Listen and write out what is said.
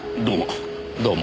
どうも。